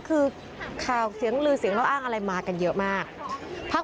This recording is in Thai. คือเหลือเสียงเล่าอ้างอะไรมากันเยอะมาก